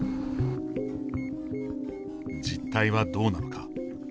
実態はどうなのか。